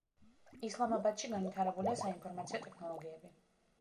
ისლამაბადში განვითარებულია საინფორმაციო ტექნოლოგიები.